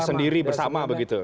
tersendiri bersama begitu